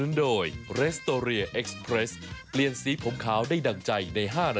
โดยเรสโตเรียเอ็กซ์เพรสเปลี่ยนสีผมขาวได้ดั่งใจใน๕นาที